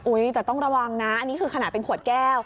แต่ต้องระวังนะอันนี้คือขนาดเป็นขวดแก้ว